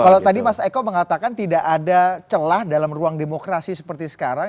kalau tadi mas eko mengatakan tidak ada celah dalam ruang demokrasi seperti sekarang